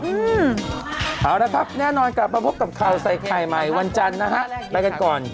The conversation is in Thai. เอาละครับแน่นอนกลับมาพบกับข่าวใส่ไข่ใหม่วันจันทร์นะฮะไปกันก่อน